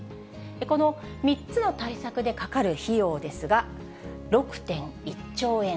この３つの対策でかかる費用ですが、６．１兆円。